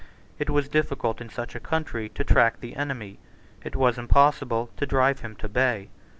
It was difficult in such a country to track the enemy. It was impossible to drive him to bay.